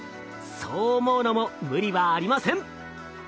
そう思うのも無理はありません。